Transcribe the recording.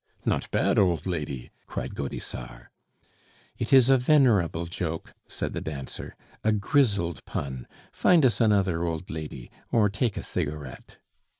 "Not bad, old lady!" cried Gaudissart. "It is a venerable joke," said the dancer, "a grizzled pun; find us another old lady or take a cigarette."